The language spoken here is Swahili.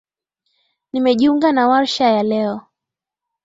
Nimejiunga na warsha ya leo.